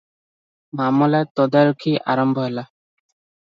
ମାମଲା ତଦାରଖି ଆରମ୍ଭ ହେଲା ।